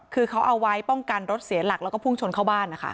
คือเขาเอาไว้ป้องกันรถเสียหลักแล้วก็พุ่งชนเข้าบ้านนะคะ